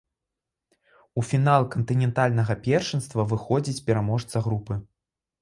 У фінал кантынентальнага першынства выходзіць пераможца групы.